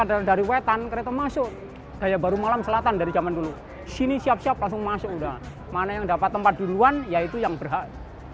nahariya baru malam selatan dari zaman dulu nih sini siap siap langsung masuk sudah mana yang dapat tempat duluan yaitu yang berhak